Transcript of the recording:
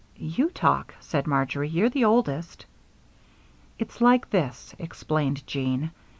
"You talk," said Marjory; "you're the oldest." "It's like this," explained Jean.